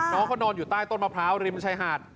น้องเขานอนอยู่ใต้ต้นมะพร้าวริมชายหาด